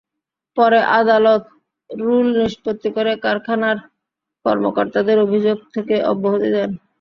পরে আদালত রুল নিষ্পত্তি করে কারখানার কর্মকর্তাদের অভিযোগ থেকে অব্যাহতি দেন।